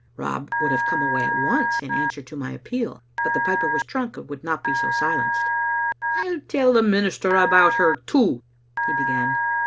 ' Rob would have come away at once in answer to my appeal, but the piper was drunk and would not be silenced. *ril tell the minister about her, too,' he began.